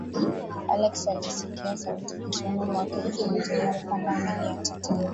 alex alisikia sauti kichwani mwake ikimzuia kupanda meli ya titanic